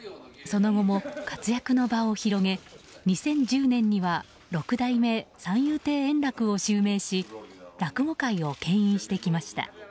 その後も活躍の場を広げ２０１０年には六代目三遊亭円楽を襲名し落語界を牽引してきました。